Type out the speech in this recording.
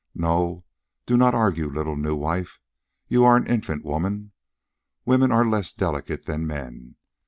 No, do not argue, little new wife. You are an infant woman. Women are less delicate than men.